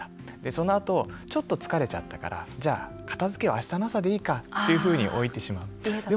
そのあとちょっと疲れちゃったからじゃあ片づけは、あしたの朝でいいかっていうふうに置いてしまう。